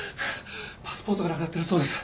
パスポートがなくなってるそうです